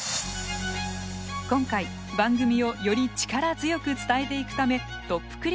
今回番組をより力強く伝えていくためトップ